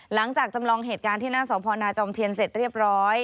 จำลองเหตุการณ์ที่หน้าสพนจอมเทียนเสร็จเรียบร้อย